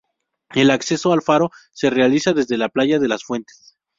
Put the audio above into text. El acceso al faro se realiza desde la playa de las Fuentes.